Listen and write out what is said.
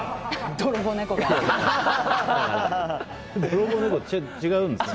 泥棒猫は違うんですよ